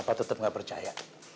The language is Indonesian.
papa tetep gak percaya